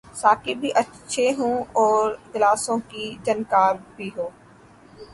ساقی بھی اچھے ہوں اور گلاسوں کی جھنکار بھی ہو۔